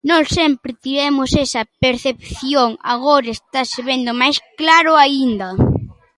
Nós sempre tivemos esa percepción, agora estase vendo máis claro aínda.